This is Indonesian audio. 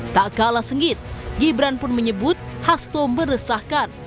tak kalah sengit gibran pun menyebut hasto meresahkan